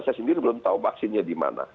saya sendiri belum tahu vaksinnya di mana